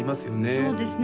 そうですね